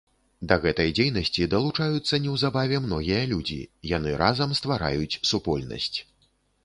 Да гэтай дзейнасці далучаюцца неўзабаве многія людзі, яны разам ствараюць супольнасць.